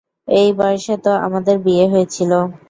এই বয়সে তো আমাদের বিয়ে হয়েছিল।